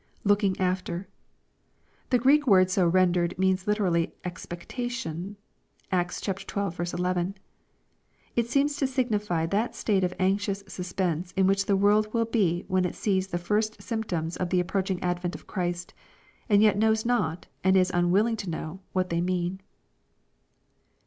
[Looking after.] The Greek word so rendered means literally "expectation." (Acts xii. 11.) It seems to signify that state of anxious suspense in which the world will be when it sees the first symptoms of the approaching advent of Christ, and yet knows not, and is unwilling to know, what they mean.